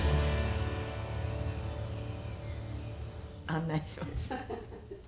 案内します。